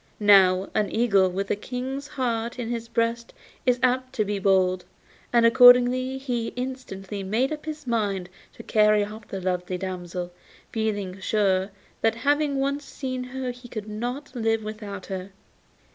Now, an eagle with a King's heart in his breast is apt to be bold, and accordingly he instantly made up his mind to carry off the lovely damsel, feeling sure that having once seen her he could not live without her.